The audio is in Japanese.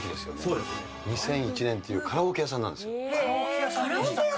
２００１年というカラオケ屋さんなんですよ。